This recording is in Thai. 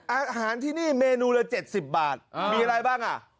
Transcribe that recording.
อาหารที่นี่เมนูละ๗๐บาทมีอะไรบ้างอ่ะ